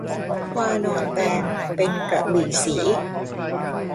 วานรแปลงเป็นกระบี่ศรี